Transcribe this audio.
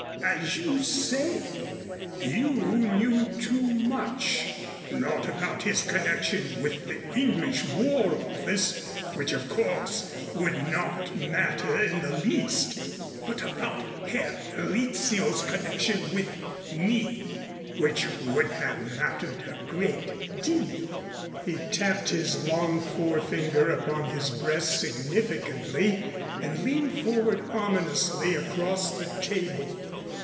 As you say, you knew too much, not about his connection with the English War Office, which, of course, would not matter in the least, but about Herr Rizzio's connection with me, which would have mattered a great deal." He tapped his long forefinger upon his breast significantly and leaned forward ominously across the table.